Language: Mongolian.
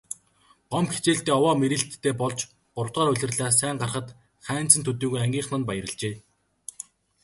Гомбо хичээлдээ овоо мэрийлттэй болж гуравдугаар улирлаар сайн гарахад Хайнзан төдийгүй ангийнхан нь баярлажээ.